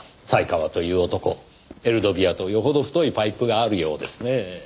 犀川という男エルドビアとよほど太いパイプがあるようですねぇ。